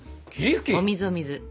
お水お水。